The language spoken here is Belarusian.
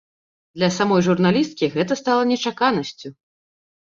Для самой журналісткі гэта стала нечаканасцю.